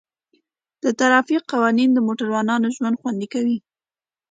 د ټرافیک قوانین د موټروانو ژوند خوندي کوي.